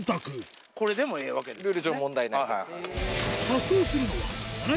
これでもええわけですもんね。